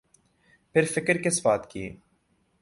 پھر فکر کس بات کی۔